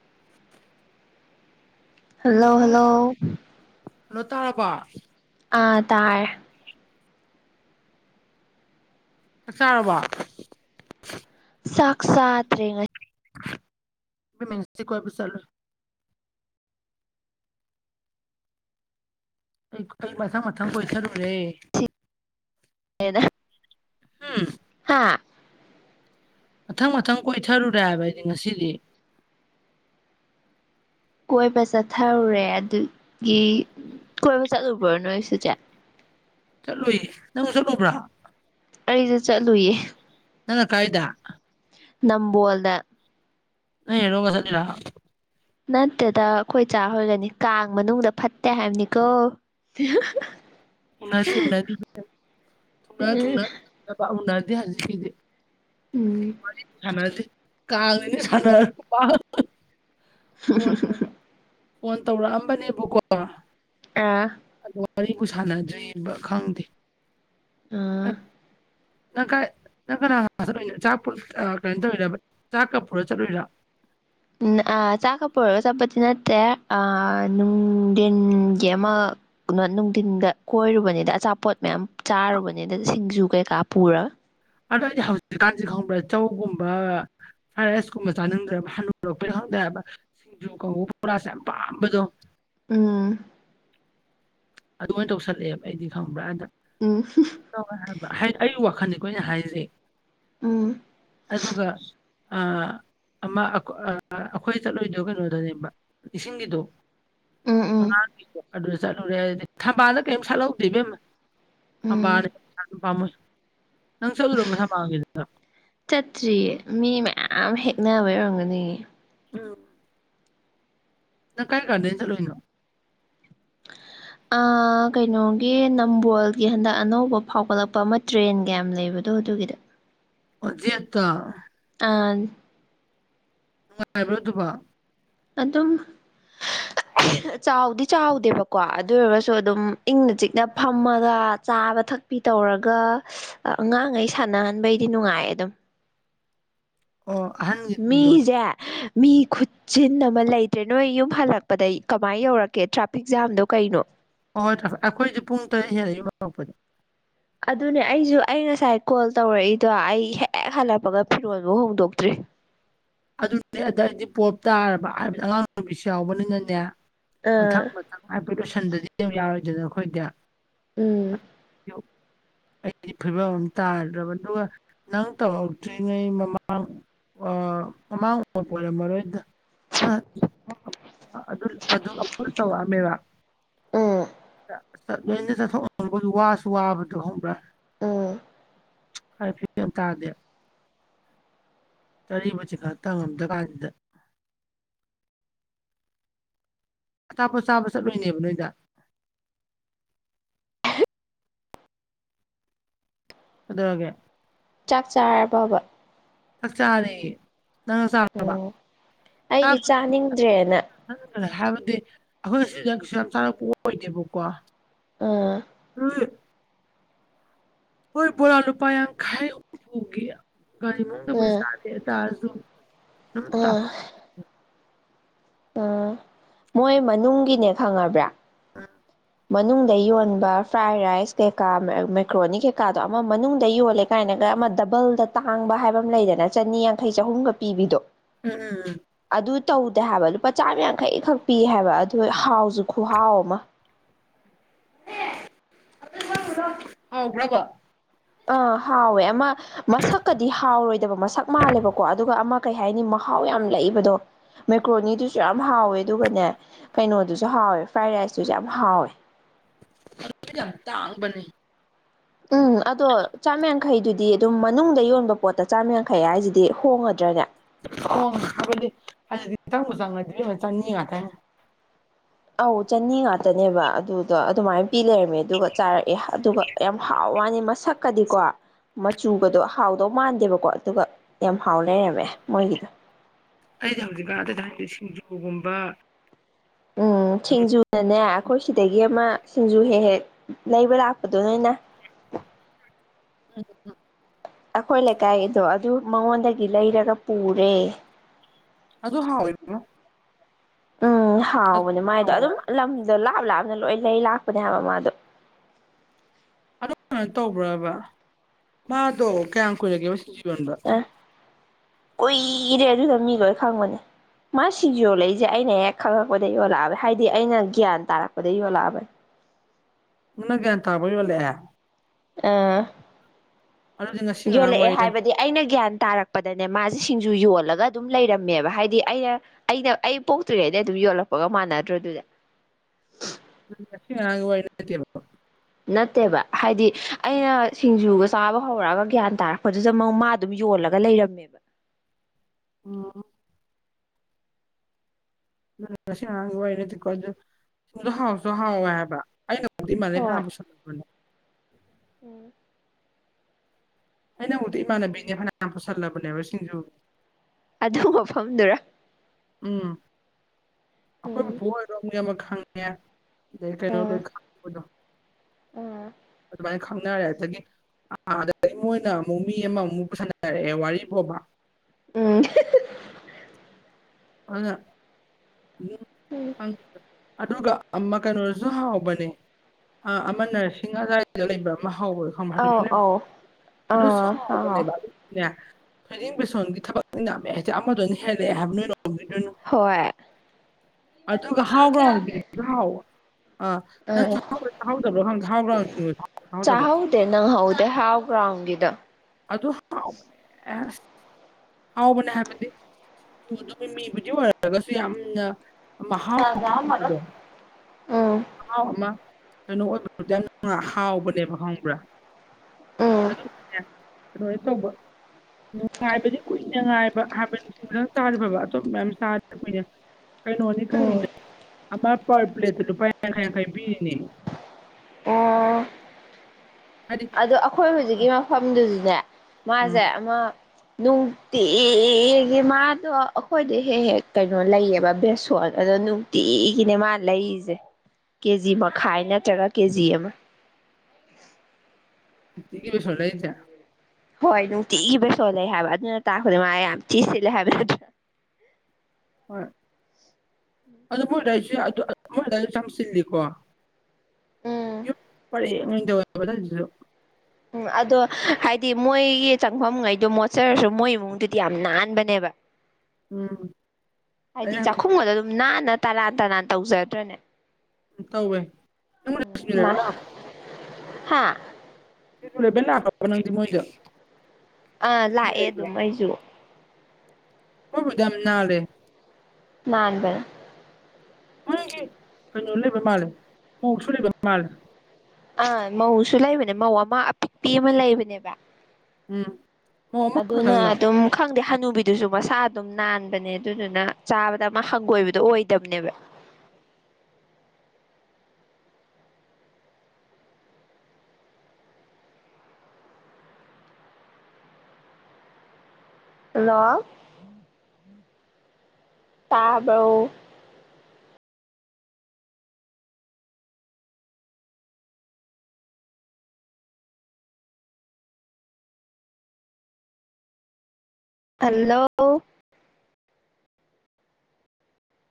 [inaudible] Hello hello ꯀꯤꯅꫭ ꯇꯧꯔꯕꯣ ꯑꯥ ꯇꯥꯔꯦ ꯆꯥꯛ ꯆꯥꯔꯕꯣ ꯆꯥꯛ ꯆꯥꯗ꯭ꯔꯦ ꯉꯥ ꯑꯩꯈꫭꯏ ꯃꯦꯟꯏꯇꯤꯛ ꯀꫭꯏꯕ ꯆꯠꯂꫭ ꯑꯩ ꯑꯩ ꯃꯊꯪ ꯃꯊꯪ ꯀꯣꯏꯊꯔꯨꯔꯦ ꯇꯦꯗ ꯎꯝ ꯍꯥꯥ ꯃꯊꯪ ꯃꯊꯪ ꯀꯣꯏꯊꯔꯨꯔꯦ ꯍꯥꯏꯕ ꯑꯩꯗꯤ ꯉꯁꯤꯗꯤ ꯀꯣꯏꯕ ꯆꯠꯊꯔꯨꯔꯦ ꯑꯗꯨꯒꯤ ꯀꯣꯏꯕ ꯆꯠꯂꯨꯕ꯭ꯔꯣ ꯅꯣꯏꯁꯨ ꯆꯦ ꯆꯠꯂꯨꯏ ꯅꯪꯖꯨ ꯆꯠꯂꯨꯕ꯭ꯔꯥ ꯑꯩꯖꯨ ꯆꯠꯂꯨꯌꯦ ꯅꯪꯅ ꯀꯥꯏꯗ ꯅꯝꯕꯣꯜꯗ ꯅꯣꯏ ꯍꯦꯔꯣꯒ ꯆꯠꯂꯤꯔꯣ ꯅꯠꯇꯦꯗ ꯑꯩꯈꯣꯏ ꯆꯥ ꯍꯣꯏꯒꯅꯤ ꯀꯥꯡ ꯃꯅꯨꯡꯗ ꯐꯠꯇꯦ ꯍꯥꯏꯕꯅꯤꯀꯣ [inaudible] ꯎꯅꯁꯤ ꯎꯅꯗꯔꯤꯕꯅꯦ ꯊꯨꯡꯅ ꯎꯝ ꯊꯨꯡꯅ ꯑꯥ ꯄꯥꯡ ꯎꯅꯗꯦ ꯍꯧꯖꯤꯛꯀꯤꯗꯤ ꯎꯝ ꯉꯁꯤ ꯋꯥꯔꯤ ꯑꯝꯇ ꯁꯥꯟꯅꯗꯦ ꯀꯥꯡꯅꯤꯅ ꯁꯥꯟꯅꯔꯨꯕ ꯐꯣꯟ ꯇꯧꯕ ꯐꯣꯟ ꯇꯧꯔꯛꯑꯝꯕꯅꯦꯕꯀꯣ ꯑꯥ ꯑꯗꯥ ꯋꯥꯔꯤꯕꯨ ꯁꯥꯟꯅꯗ꯭ꯔꯤꯕ ꯈꯪꯗꯦ ꯑꯥ ꯑꯁ ꯅꯪ ꯀꯥꯏ ꯅꯪ ꯀꯅꯥ ꯀꯅꯥ ꯆꯠꯂꯨꯏꯅꯣ ꯆꯥꯛ ꯄꯨ ꯑꯥ ꯀꯩꯅꯣ ꯇꯧꯔꯤꯔꯕ ꯆꯥꯛꯀ ꯄꯨꯔ ꯆꯠꯂꯣꯏꯔꯥ ꯎꯝ ꯑꯥ ꯆꯥꯛꯀ ꯄꯨꯔꯒ ꯆꯠꯄꯗꯤ ꯅꯠꯇꯦ ꯑꯥ ꯅꯨꯡꯗꯤꯟꯒꯤ ꯑꯃ ꯀ ꯅꯨꯡꯊꯤꯟꯗ ꯀꯣꯏꯔꯨꯕꯅꯤꯗ ꯑꯆꯥꯄꯣꯠ ꯃꯌꯥꯝ ꯆꯥꯔꯨꯕꯅꯤꯗ ꯁꯤꯡꯖꯨ ꯀꯩꯀꯥ ꯄꯨꯔꯒ ꯑꯗꯨꯏꯗꯤ ꯍꯧꯖꯤꯛꯀꯥꯟꯁꯤ ꯈꯪꯕ꯭ꯔꯥ ꯆꯧꯒꯨꯝꯕ ꯐ꯭ꯔꯥꯏ ꯔꯥꯏꯁ ꯀꯨꯝꯕ ꯆꯥꯅꯤꯡꯗ꯭ꯔꯦꯕ ꯍꯅꯨꯔꯛꯄꯩꯔ ꯈꯪꯗ꯭ꯔꯕ ꯁꯤꯡꯖꯨ ꯀꯥꯡꯒꯧ ꯕꯣꯔꯥꯁꯦ ꯌꯥꯝ ꯄꯥꯝꯕꯗꯣ ꯎꯝ꯫ ꯑꯗꯨ ꯑꫭꯏꯅ ꯇꯧꯁꯜꯂꯛꯑꯦꯕ ꯑꯩꯗꯤ ꯈꯪꯕ꯭ꯔꯥꯅ ꯎꯝ [unintelligible] ꯍꯥꯏꯕ ꯍꯥꯏ ꯑꯩ ꯋꯥꯈꯜꯅꯤꯀꯣ ꯑꯩꯅ ꯍꯥꯏꯖꯦ ꯎꯝ ꯑꯗꯨꯒ ꯑꯥ ꯑꯃ ꯑꯈꫭꯏ ꯑꯥ ꯑꯩꯈꯣꯏ ꯆꯠꯂꯨꯏꯗꯣ ꯀꯩꯅꯣꯗꯅꯦꯕ ꯏꯁꯤꯡꯒꯤꯗꯣ ꯎꯝ ꯎꯝ [unintelligible] ꯑꯗꯨ ꯆꯠꯂꯨꯔꯦ ꯍꯥꯏꯗꯤ ꯊꯝꯕꯥꯜꯗ ꯀꯔꯤꯝ ꯁꯥꯠꯍꯧꯗꯦ ꯏꯕꯦꯝꯃ ꯎꯝ ꯊꯝꯕꯥꯜꯅ ꯄꯩꯁꯥꯗꯨꯝ ꯄꯥꯝꯃꯨꯏ ꯅꯪ ꯆꯠꯂꯨꯨꯔꯕꫭ ꯊꯝꯕꯥꯜꯒꯤꯗꫭ ꯆꯠꯇ꯭ꯔꯤꯌꯦ ꯃꯤ ꯃꯌꯥꯝ ꯍꯦꯛꯅꯕꯩ ꯑꯣꯏꯔꯝꯒꯅꯤꯌꯦ ꯎꯝ ꯅꯪ ꯀꯔꯝ ꯀꯥꯟꯗꯒꯤ ꯆꯠꯂꯨꯏꯅꯣ [inaudible] ꯑ ꯀꯩꯅꯣꯒꯤ ꯅꯝꯕꯣꯜꯒꯤ ꯍꯟꯗꯛ ꯑꯅꯧꯕ ꯐꯥꯎꯒꯠꯂꯛꯄ ꯑꯃ ꯇ꯭ꯔꯦꯟꯒ ꯌꯥꯝ ꯂꯩꯕꯗꯣ ꯑꯗꯨꯒꯤꯗ ꯑꯣ ꯖꯦꯠ ꯇꯣ ꯑꯥꯟ ꯅꯨꯡꯉꯥꯏꯕ꯭ꯔꯣ ꯑꯗꯨꯕꯣ ꯑꯗꯨꯝ [inaudible] ꯆꯥꯎꯗꯤ ꯆꯥꯎꯗꯦꯕꯀꯣ ꯑꯗꯨ ꯑꯣꯏꯔꯒꯁꯨ ꯑꯗꯨꯝ ꯏꯪꯅ ꯆꯤꯛꯅ ꯐꯝꯃꯒ ꯆꯥꯕ ꯊꯛ ꯄꯤ ꯇꯧꯔꯒ ꯑꯉꯥꯡꯈꯩ ꯁꯥꯟꯅꯍꯟꯕꯩꯗꯤ ꯅꯨꯡꯉꯥꯏꯌꯦ ꯑꯗꯨꯝ ꯑꯣ ꯑꯍꯟ ꯃꯤꯖꯦ ꯃꯤ ꯈꯨꯆꯤꯟ ꯑꯃ ꯂꯩꯇ꯭ꯔꯦ ꯅꯣꯏ ꯌꯨꯝ ꯍꯜꯂꯛꯄꯗꯩ ꯀꯝꯃꯥꯏ ꯌꯧꯔꯛꯀꯦ ꯇ꯭ꯔꯥꯐꯤꯛ ꯖꯥꯝꯗꯣ ꯀꯩꯅꯣ ꯍꯣ ꯍꯣꯏ [unintelligible] ꯑꯈꫭꯏꯖꯨ ꯄꯨꯡ ꯇꯔꯦꯠ ꯍꯦꯜꯂꯦ ꯌꯨꯝ ꯌꯧꯔꯛꯄꯗ ꯑꯗꯨꯅꯦ ꯑꯩꯖꯨ ꯑꯩ ꯉꯁꯥꯏ ꯀꯣꯜ ꯇꯧꯔꯛꯏꯗꯣ ꯑꯩ ꯍꯦꯛ ꯍꯜꯂꯛꯄꯒ ꯐꯤꯔꯣꯜꯕꫭꯛ ꯍꯣꯡꯗꯣꯛꯇ꯭ꯔꯤ ꯑꯗꯨꯅꯦ ꯑꯗ ꯑꯩꯗꯤ ꯄꯣꯞ ꯇꯥꯔꯕ ꯍꯥꯏꯕꯗꯤ ꯑꯉꯥꯡ ꯅꯨꯕꯤꯁꯨ ꯌꯥꯎꯕꯅꯤꯅꯅꯦ ꯑꯥ ꯃꯊꯪ ꯃꯊꯪ [unintelligible] ꯂꯣꯏꯁꯟꯗꯗꯤ ꯌꯥꯔꯣꯏꯗꯅ ꯑꯈꯣꯏꯗꯤ ꯎꯝ [inaudible] ꯑꯩꯗꯤ ꯐꯤꯕꯝ ꯑꯃ ꯇꯥꯗ꯭ꯔꯕ ꯑꯗꯨꯒ ꯅꯪ ꯇꯧꯔꯛꯇ꯭ꯔꯤꯉꯩ ꯃꯃꯥꯡ ꯑ ꯃꯃꯥꯡ ꯑꯣꯏꯕꯨ ꯑꯣꯏꯔꯝꯃꯔꯣꯏꯗ [unintelligible] ꯑꯈꫭꯏ ꯇꯧꯔꯛꯑꯝꯃꯦꯕ ꯎꯝ [unintelligible] ꯋꯥꯁꯨ ꯋꯥꯕꯗꯣ ꯈꯪꯕ꯭ꯔ ꯎꯝ [unintelligible] ꯇꯥꯗꯦ [unintelligible] ꯆꯤꯡꯈꯠꯇ ꯉꯝꯗ꯭ꯔ ꯀꯥꯟꯖꯤꯗ ꯑꯆꯥꯥꯄꯣꯠ ꯆꯥꯕ ꯆꯠꯂꯨꯏꯅꯦꯕ ꯅꯣꯏꯗꯣ ꯀꯗꯧꯔꯒꯦ ꯆꯥꯛ ꯆꯥꯔꯕꯕ ꯆꯥꯛ ꯆꯥꯔꯦ ꯅꯪ [unintelligible] ꯆꯥꯔꯕ ꯎꯝ ꯑꯩꯗꯤ ꯆꯥꯅꯤꯡꯗ꯭ꯔꯦꯅ [unintelligible] ꯍꯥꯏꯕꯗꯤ ꯑꯈꯣꯏ ꯉꯁꯤꯁꯦ ꯀꯩꯁꯨ ꯌꯥꯝ ꯆꯥꯔꯛꯄ ꯑꯣꯏꯗꯦꯕꯀꯣ ꯑꯣ ꯍꯨꯏ ꯍꯣꯏ ꯕꯣꯔꯥ ꯂꯨꯄꯥ ꯌꯥꯡꯈꯩ ꯍꯨꯝꯐꯨꯒꯤ ꯒꯥꯔꯤ ꯃꯅꯨꯡꯗꯕꯨꯗꯤ ꯎꯝ [unintelligible] ꯆꯥꯏ ꯑꯗꫭ ꯗꯨꯝ ꯆꯥ ꯎꯝ ꯎꯝ ꯃꯣꯏ ꯃꯅꯨꯡꯒꯤꯅꯦ ꯈꯪꯉꯕ꯭ꯔꯥ ꯃꯅꯨꯡꯗ ꯌꯣꯟꯕ ꯐ꯭ꯔꯥꯏ ꯔꯥꯏꯁ ꯀꯩꯀꯥ ꯃꯦꯀ꯭ꯔꯣꯅꯤ ꯀꯩꯀꯥꯗꯣ ꯑꯃ ꯃꯅꯨꯡꯗ ꯌꯣꯜꯂꯦ ꯀꯥꯏꯅꯒ ꯑꯃ ꯗꯕꯜꯗ ꯇꯥꯡꯕ ꯍꯥꯏꯕꯝ ꯂꯩꯗꯅ ꯆꯅꯤ ꯌꯥꯡꯈꯩ ꯆꯍꯨꯝꯒ ꯄꯤꯕꯤꯗꯣ ꯎꯝ ꯎꯝ ꯑꯗꯨ ꯇꯧꯗꯦ ꯍꯥꯏꯕ ꯂꯨꯄꯥ ꯆꯥꯝ ꯌꯥꯡꯈꯩꯈꯛ ꯄꯤ ꯍꯥꯏꯕ ꯑꯗꯨ ꯍꯥꯎꯁꯨ ꯈꯨꯍꯥꯎ ꯑꯃ [unintelligible] ꯍꯥꯎꯕ꯭ꯔꯕ ꯑ ꯍꯥꯎꯋꯦ ꯑꯃ ꯃꯁꯛꯀꯗꯤ ꯍꯥꯎꯔꯣꯏꯗꯕ ꯃꯁꯛ ꯃꯥꯜꯂꯦꯕꯀꯣ ꯑꯗꯨꯒ ꯑꯃ ꯀꯩ ꯍꯥꯏꯅꯤ ꯃꯍꯥꯎ ꯌꯥꯝ ꯂꯩꯕꯗꯣ ꯃꯦꯀ꯭ꯔꯣꯅꯤꯗꯨꯁꯨ ꯌꯥꯝ ꯍꯥꯎꯋꯦ ꯑꯗꯨꯒꯅꯦ ꯀꯩꯅꯣꯗꯨꯁꯨ ꯍꯥꯎꯋꯦ ꯐ꯭ꯔꯥꯏ ꯔꯥꯏꯁꯇꯨꯖꯨ ꯌꯥꯝ ꯍꯥꯎꯋꯦ ꯑꯗꯨꯗꯤ ꯌꯥꯝ ꯇꯥꯡꯕꯅꯤ ꯎꯝ ꯑꯗꯣ ꯆꯥꯝꯌꯥꯡꯈꯩꯗꯨꯗꯤ ꯑꯗꯨꯝ ꯃꯅꯨꯡꯗ ꯌꯣꯟꯕ ꯄꯣꯠꯇ ꯆꯥꯝꯌꯥꯡꯈꯩ ꯍꯥꯏꯖꯤꯗꯤ ꯍꯣꯡꯉꯗ꯭ꯔꯅꯦ ꯍꯣꯡꯉꯦ ꯍꯥꯏꯕꯗꯤ ꯍꯧꯖꯤꯛꯇꯤ ꯆꯪꯕꯨ ꯆꯪꯉꯗꯤ ꯏꯕꯦꯝꯃ ꯆꯅꯤ ꯉꯥꯇꯅꯦ ꯑꯧ ꯆꯅꯤ ꯉꯥꯇꯅꯦꯕ ꯑꯗꯨꯗ ꯑꯗꯨꯃꯥꯏ ꯄꯤ ꯂꯩꯔꯝꯃꯦ ꯑꯗꯨꯒ ꯆꯥꯔꯛꯑꯦ ꯑꯗꯨꯒ ꯌꯥꯝ ꯍꯥꯎ ꯋꯥꯅꯦ ꯃꯁꯛꯀꯗꯤꯀꯣ ꯃꯆꯨꯒꯗꯣ ꯍꯥꯎꯗꯧ ꯃꯥꯟꯗꯦꯕꯀꯣ ꯑꯗꯨꯒ ꯌꯥꯝ ꯍꯥꯎ ꯂꯩꯔꯝꯃꯦ ꯃꯣꯏꯒꯤꯗꯣ ꯑꯩꯗꯤ ꯍꯧꯖꯤꯛꯀꯥꯟ ꯑꯇꯩ ꯆꯥꯅꯤꯡꯗꯦ ꯁꯤꯡꯖꯨꯒꯨꯝꯕ ꯎꯝ ꯁꯤꯡꯖꯨꯅꯅꯦ ꯑꯩꯈꯣꯏ ꯁꯤꯗꯒꯤ ꯑꯃ ꯁꯤꯡꯖꯨ ꯍꯦꯛ ꯍꯦꯛ ꯂꯩꯕ ꯂꯥꯛꯄꯗꯣ ꯅꯣꯏꯅ ꯎꯝ ꯎꯝ ꯑꯈꯣꯏ ꯂꯩꯀꯥꯏꯗꯣ ꯑꯗꯨ ꯃꯉꯣꯟꯗꯒꯤ ꯂꯩꯔꯒ ꯄꯨꯔꯦ ꯑꯗꯨ ꯍꯥꯎꯋꯦ ꯏꯕꯦꯝꯃ ꯎꯝ ꯑꯗꯨ ꯍꯥꯎꯕꯅꯦ ꯃꯥꯏꯗꯣ ꯍꯥꯎꯋꯦ ꯑꯗꯨꯝ ꯂꯝꯗꯣ ꯂꯥꯞ ꯂꯥꯞꯅ ꯂꯣꯏ ꯂꯩ ꯂꯥꯛꯄꯅꯦ ꯍꯥꯏꯕ ꯃꯥꯗꯣ ꯑꯗꯣ ꯀꯩꯅꯣ ꯇꯧꯕ꯭ꯔꯕ ꯃꯥꯗꯣ ꯀꯌꯥꯝ ꯀꯨꯏꯔꯒꯦꯕ ꯁꯤꯡꯖꯨ ꯌꯣꯟꯕ ꯀꯨꯏꯔꯦ ꯑꯗꯨꯗꯣ ꯃꯤ ꯂꯣꯏ ꯈꯪꯕꯅꯦ ꯃꯥ ꯁꯤꯡꯖꯨ ꯌꯣꯜꯂꯛꯏꯖꯦ ꯑꯩꯅ ꯍꯦꯛ ꯈꯪꯉꯛꯄꯗꯩ ꯌꯣꯜꯂꯛꯑꯝꯃꯦ ꯍꯥꯏꯗꯤ ꯑꯩꯅ ꯒ꯭ꯌꯥꯟ ꯇꯥꯔꯛꯄꯗꯩ ꯌꯣꯜꯂꯛꯑꯕꯅꯦ ꯅꯪꯅ ꯒ꯭ꯌꯥꯟ ꯇꯥꯔꯛꯄꯗ ꯌꯣꯂꯛꯑꯦ ꯑꯥ ꯑꯗꯨꯗꯤ ꯉꯁꯤ ꯉꯔꯥꯡ ꯌꯣꯜꯂꯛꯑꯦ ꯋꯥꯔꯤ ꯅꯠ ꯍꯥꯏꯕꯗꯤ ꯑꯩꯅ ꯒ꯭ꯌꯥꯟ ꯇꯥꯔꯛꯄꯗꯅꯦ ꯃꯥꯖꯦ ꯁꯤꯡꯖꯨ ꯌꯣꯜꯂꯒ ꯑꯗꯨꯝ ꯂꯩꯔꯝꯃꯦꯕ ꯍꯥꯏꯗꯤ ꯑꯩꯅ ꯑꯩꯅ ꯑꯩ ꯄꯣꯛꯇ꯭ꯔꯤꯉꯩꯗꯩꯩ ꯑꯗꯨꯝ ꯌꯣꯜꯂꯛꯄꯒ ꯃꯥꯟꯅꯗ꯭ꯔꯣ ꯑꯗꯨꯗꯤ ꯉꯁꯤ ꯉꯔꯥꯡꯒꯤ ꯋꯥꯔꯤ ꯅꯠꯇꯦꯕ ꯅꯠꯇꯦꯕ ꯍꯥꯏꯗꯤ ꯑꯩꯅ ꯁꯤꯡꯖꯨꯒ ꯆꯥꯕ ꯍꯧꯔꯛꯑꯒ ꯒ꯭ꯌꯥꯟ ꯇꯥꯔꯛꯄꯗꯨꯗ ꯃꯛ ꯃꯥ ꯗꯨꯝ ꯌꯣꯜꯂꯒ ꯂꯩꯔꯝꯃꯦꯕ ꯎꯝ ꯉꯁꯤ ꯉꯔꯥꯡꯒꯤ ꯋꯥꯔꯤ ꯅꯥꯠꯇꯦꯀꯣ ꯑꯗꯣ ꯁꯤꯡꯖꯨꯗꯣ ꯍꯥꯎꯖꯨ ꯗꯣ ꯍꯥꯎꯋꯦ ꯎꯝ ꯍꯥꯏꯕ ꯑꯩꯅ ꯗꯤ ꯍꯣꯏ [unintelligible] ꯎꯝ ꯑꯩꯅꯕꯨꯗꯤ ꯏꯃꯥꯟꯅꯕꯤꯅꯦ ꯐꯅꯌꯥꯝ ꯄꯨꯠꯁꯜꯂꯕꯅꯦꯕ ꯁꯤꯡꯖꯨ ꯑꯗꯨ ꯃꯐꯝꯗꯨꯔ ꯎꯝ ꯑꯈꯣꯏ ꯎꯝ ꯄꯨꯄꯨ ꯑꯣꯏꯔꯣꯝ ꯃꯤ ꯑꯃ ꯈꯪ ꯉꯦ ꯑꯗꯩ ꯀꯩꯅꯣ ꯂꯣꯏ ꯑ ꯈꯪ ꯕꯗꯣ ꯑ ꯑꯗꯨꯃꯥꯏ ꯈꯪꯅꯔꯦ ꯑꯗꯒꯤ ꯑꯥ ꯗꯒꯤ ꯃꯣꯏꯅ ꯑꯃꯨꯛ ꯃꯤ ꯑꯃꯃꯨꯛ ꯄꯨꯁꯟꯅꯔꯛꯑꯦ ꯋꯥꯔꯤꯕꯣꯕꯥ ꯎꯝ ꯍꯍꯥ ꯑꯗꯨꯅꯥ ꯗꯨꯝ ꯈꯪꯗꯦꯗ ꯑꯗꯨꯒ ꯑꯃ ꯀꯩꯅꯣꯗꯨꯖꯨ ꯍꯥꯎꯕꯅꯦ ꯑ ꯑꯃꯅ [unintelligible] ꯂꯩꯕ ꯑꯃ ꯍꯥꯎꯕꯗꯣ ꯍꯥꯅꯨꯕꯤ ꯑꯧ ꯑꯃꯥ ꯂꯩꯕꯗꯣ ꯑꯧ ꯑꯗꯨꯖꯨ ꯑꯥ ꯑꯥꯎ ꯍꯥꯎꯕꯅꯦꯕꯥ ꯅꯦ ꯊꯣꯏꯗꯤꯡ ꯕꯦꯁꯣꯟꯒꯤ ꯊꯕꯛ ꯅꯤꯅ ꯑꯃꯥ ꯍꯦꯛꯇꯥ ꯍꯦꯜꯂꯛꯑꯦ ꯍꯥꯏꯕ ꯅꯣꯏꯔꯣꯝꯒꯤꯗꯨ ꯅ ꯍꯣꯏ ꯑꯗꯨꯒ ꯍꯥꯎꯒ꯭ꯔꯣꯟꯒꯤꯗꯨꯖꯨ ꯍꯥꯎꯋꯦ ꯑꯥ ꯅꯪ ꯎꯝ ꯇꯍꯧꯕ꯭ꯔꯥ ꯇꯍꯧꯗꯕ꯭ꯔꯥ ꯍꯥꯎꯒ꯭ꯔꯣꯟꯒꯤꯗꯣ ꯇꯥꯍꯧꯗꯕ꯭ꯔꯥ ꯇꯦ ꯅꯪꯍꯧꯗꯦ ꯍꯥꯎꯒ꯭ꯔꯥꯎꯟꯒꯤꯗꯣ ꯑꯗꯨ ꯍꯥꯎꯕꯅꯦ ꯍꯥꯎꯕꯅꯦ ꯍꯥꯏꯕꯗꯤ ꯁꯤꯡꯖꯨꯗꯣ ꯃꯤꯃꯤꯕꯨꯗꯤ ꯑꯣꯏꯔꯒꯁꯨ ꯌꯥꯝꯅ ꯃꯍꯥꯎ ꯆꯥ ꯑꯃ ꯆꯥꯔꯝꯃꯔꯣꯏ ꯐꯪꯕꯗꯣ ꯎꯝ ꯃꯍꯥꯎ ꯑꯃ ꯀꯩꯅꯣ ꯑꯣꯏꯕꯗꯣ ꯑꯗꯨ ꯌꯥꯝ ꯍꯥꯎꯕꯅꯦꯕ ꯈꯪꯕ꯭ꯔꯥ ꯎꯝ ꯑꯗꯨꯕꯨꯅꯦ ꯀꯩꯅꯣꯍꯦ ꯇꯧꯕ ꯅꯨꯉꯥꯏꯕꯗꯤ ꯀꯨꯏꯅ ꯉꯥꯏꯕ ꯍꯥꯏꯕꯗꯤ ꯈꯤꯇꯪ ꯆꯥꯗꯤ ꯐꯕ ꯑꯇꯣꯞꯄ ꯃꯌꯥꯝ ꯆꯗ ꯑꯩꯈꯣꯏꯅ ꯀꯩꯅꯣꯅꯤ ꯀꯩꯅ ꯎꯝ ꯑꯃ ꯄꯔ ꯄ꯭ꯂꯦꯠꯇ ꯂꯨꯄꯥ ꯌꯥꯡꯈꯩ ꯌꯥꯡꯈꯩ ꯄꯤꯔꯤꯅꯦ ꯍꯥꯏꯗꯤ ꯑꯗꯨ ꯑꯩꯈꯣꯏ ꯍꯧꯖꯤꯛꯀꯤ ꯃꯐꯝꯗꯨꯖꯨꯅꯦ ꯎꯝ ꯃꯥꯖꯦ ꯑꯃ ꯅꯨꯡꯇꯤꯒꯤ ꯃꯥꯗꯣ ꯑꯩꯈꯣꯏꯗ ꯍꯦꯛ ꯍꯦꯛ ꯀꯩꯅꯣ ꯂꯩꯌꯦꯕ ꯕꯦꯁꯣꯟ ꯑꯗꯣ ꯅꯨꯡ ꯇꯤꯒꯤꯅꯦ ꯃꯥ ꯂꯩꯔꯤꯖꯦ ꯀꯦ ꯖꯤ ꯃꯈꯥꯏ ꯅꯠꯇ꯭ꯔꯒ ꯀꯦꯖꯤ ꯑꯃ ꯅꯨꯡꯇꯤꯒꯤ ꯕꯦꯁꯣꯟ ꯂꯩꯔꯤꯁꯦ ꯍꯣꯏ ꯅꯨꯡꯇꯤ ꯕꯦꯁꯣꯟ ꯂꯩ ꯍꯥꯏꯕ ꯑꯗꯨꯅ ꯇꯥꯛꯄꯗꯤ ꯃꯥ ꯌꯥꯝ ꯊꯤꯅ ꯁꯤꯠꯂꯦ ꯍꯥꯏꯕ ꯅꯠꯇ꯭ꯔꯣ ꯍꯣꯏ ꯑꯗꯨ ꯃꯣꯏ [unintelligible] ꯌꯥꯝ ꯆꯤꯜꯂꯤꯀꯣ ꯎꯝ ꯌꯨꯝ ꯄꯔꯦꯡꯗ ꯑꯣꯏꯕ ꯑꯗꯥꯏꯗꯨꯖꯨ ꯎꯝ ꯑꯗꯣ ꯍꯥꯏꯗꯤ ꯃꯣꯏꯒꯤ ꯆꯪꯐꯝꯉꯩꯗꯣ ꯃꯣꯠꯆꯔꯁꯨ ꯃꯣꯏ ꯏꯃꯨꯡꯗꯨꯗꯤ ꯌꯥꯝ ꯅꯥꯟꯕꯅꯦꯕ [inaudible] ꯍꯥꯏꯗꯤ ꯑꯩꯅ ꯆꯥꯛꯈꯨꯝꯒꯗꯣ ꯑꯗꯨꯝ ꯅꯥꯟꯅ ꯇꯅꯥꯟ ꯇꯅꯥꯟ ꯇꯧꯖꯗ꯭ꯔꯅꯦ ꯇꯧꯋꯦ ꯅꯪꯕꯨ ꯁꯤꯡꯖꯨ ꯃꯥ ꯂꯩꯕ ꯂꯥꯛꯑꯣ ꯍꯥ [unintelligible] ꯅꯪꯗꯤ ꯃꯣꯏꯗ ꯑꯥ ꯂꯥꯛꯑꯦ ꯑꯗꯨꯝ ꯑꯩꯖꯨ ꯃꯣꯏ ꯃꯨꯡꯗꯣ ꯌꯥꯝ ꯅꯥꯜꯂꯦ ꯅꯥꯟꯕꯅꯦ ꯃꯣꯏꯒꯤ ꯀꯩꯅꯣ ꯂꯩꯕ ꯃꯥꯜꯂꯦ ꯃꯧꯁꯨ ꯂꯩꯕ ꯃꯥꯜꯂꯦ ꯑꯥ ꯃꯧꯁꯨ ꯂꯩꯕꯅꯦ ꯃꯧ ꯑꯃ ꯑꯄꯤꯛꯄꯤ ꯑꯃ ꯂꯩꯕꯅꯦꯕ ꯎꯝ ꯃꯣꯛ ꯑꯃꯈꯛꯇꯪꯂ ꯑꯗꯨꯅꯑꯗꯨꯝ ꯈꯪꯗꯦ ꯍꯅꯨꯕꯤꯗꯨꯁꯨ ꯃꯁꯥ ꯑꯗꯨꯝ ꯅꯥꯟꯕꯅꯦ ꯑꯗꯨꯗꯨꯅ ꯆꯥꯕꯗ ꯑꯃ ꯍꯪꯒꯣꯏꯕꯗꯣ ꯑꯣꯏꯗꯕꯅꯦꯕ ꯍꯜꯂꯣ ꯇꯥꯕ꯭ꯔꯣ ꯍꯜꯂꯣ